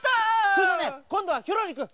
それでねこんどはヒョロリくん！